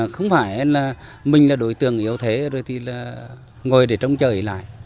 không phải là mình là đối tượng yếu thế rồi thì là ngồi để trông chờ ý lại